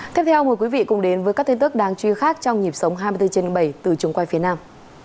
tiếp theo mời quý vị cùng đến với các tin tức đáng chú ý khác trong nhịp sống hai mươi bốn trên bảy từ trường quay phía nam